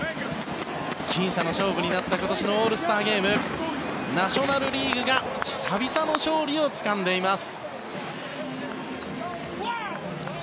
きん差の勝負になった今年のオールスターゲーム。ナショナル・リーグが久々の勝利をつかんでいます。